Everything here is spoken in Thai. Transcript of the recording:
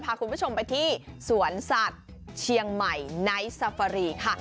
พาคุณผู้ชมไปที่สวนสัตว์เชียงใหม่ไนท์ซาฟารีค่ะ